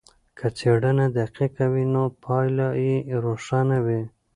که څېړنه دقیقه وي نو پایله یې روښانه وي.